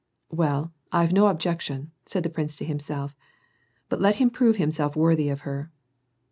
" Well, I've no objection," said the prince to himself. " But let him prove himself worthy of her.